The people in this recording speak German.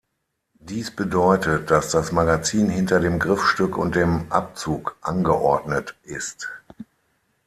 Dies bedeutet, dass das Magazin hinter dem Griffstück und dem Abzug angeordnet ist.